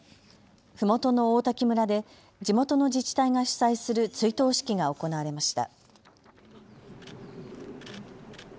ふもとの王滝村で地元の自治体が主催する追悼式が行われました。